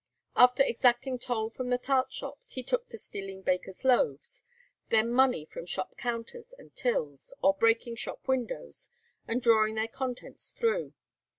After exacting toll from the tart shops, he took to stealing bakers' loaves, then money from shop counters and tills, or breaking shop windows and drawing their contents through.